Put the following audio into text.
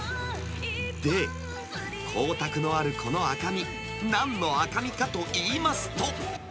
で、光沢のあるこの赤身、なんの赤身かといいますと。